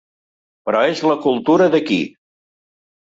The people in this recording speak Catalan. Però és la cultura d'aquí.